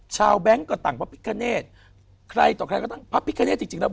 แบงค์ก็ต่างพระพิคเนตใครต่อใครก็ตั้งพระพิคเนธจริงแล้ว